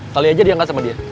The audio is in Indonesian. kali aja dia angkat sama dia